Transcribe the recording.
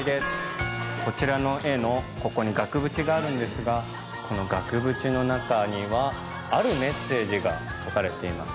こちらの絵のここに額縁があるんですがこの額縁の中にはあるメッセージが書かれています。